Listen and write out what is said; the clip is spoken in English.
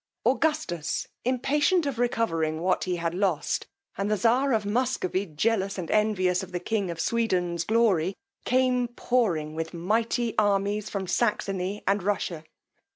Augustus, impatient of recovering what he had lost, and the czar of Muscovy jealous and envious of the king of Sweden's glory, came pouring with mighty armies from Saxony and Russia.